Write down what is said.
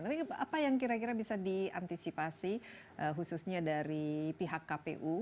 tapi apa yang kira kira bisa diantisipasi khususnya dari pihak kpu